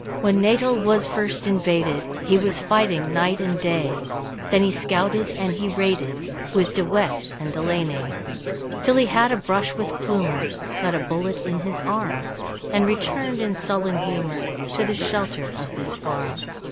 When Natal was first invaded He was fighting night and day, Then he scouted and he raided, With De Wet and Delaney. Till he had a brush with Plumer, Got a bullet in his arm, And returned in sullen humour To the shelter of his farm.